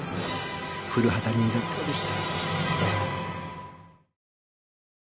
古畑任三郎でした。